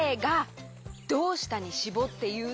「どうした」にしぼっていうと？